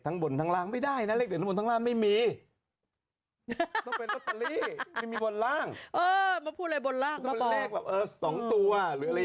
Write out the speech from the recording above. ทั้งบนทางล่างไม่ได้แล้วก็ลงมาไม่มีพูดอะไรบนล่างนี่ต้องตัวหรืออะไร